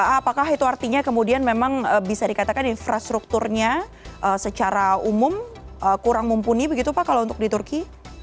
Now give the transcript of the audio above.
apakah itu artinya kemudian memang bisa dikatakan infrastrukturnya secara umum kurang mumpuni begitu pak kalau untuk di turki